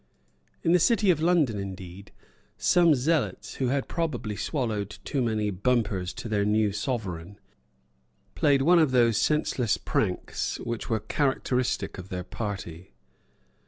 In the city of London, indeed, some zealots, who had probably swallowed too many bumpers to their new Sovereign, played one of those senseless pranks which were characteristic of their party.